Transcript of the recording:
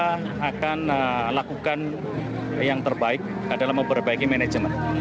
kita akan lakukan yang terbaik adalah memperbaiki manajemen